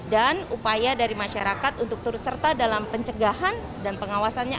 dan upaya dari masyarakat untuk terus serta dalam pencegahan dan pengawasannya